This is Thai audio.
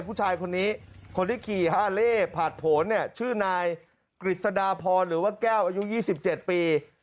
ผู้ชายคนนี้คนที่ขี่ฮาเล่ผ่านผลเนี่ยชื่อนายกฤษฎาพรหรือว่าแก้วอายุ๒๗ปี